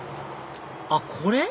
あっこれ？